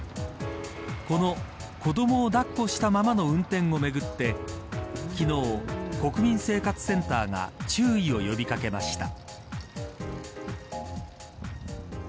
この子どもを抱っこしたままの運転をめぐって昨日、国民生活センターが注意を呼び掛けました。